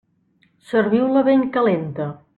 Serviu-la ben calenta.